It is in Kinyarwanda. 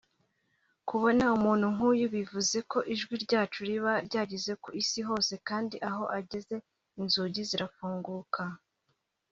Kubona umuntu nk’uyu bivuze ko ijwi ryacu riba ryageze ku Isi hose kandi aho ageze inzugi zarafunguka